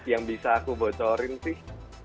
yang bisa aku bocorin sih